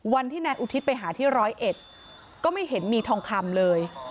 วันที่นายอุทิศไปหาที่ร้อยเอ็ดก็ไม่เห็นมีทองคำเลย